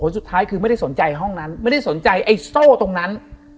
สุดท้ายคือไม่ได้สนใจห้องนั้นไม่ได้สนใจไอ้โซ่ตรงนั้น